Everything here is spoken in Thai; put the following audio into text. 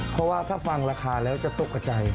เพราะว่าถ้าฟังราคาแล้วจะตกกระใจ